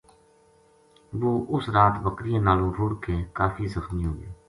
وہ اُس رات بکریاں نالوں رُڑھ کے کافی زخمی ہو گیو